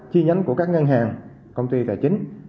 chi nhánh của các ngân hàng công ty tài chính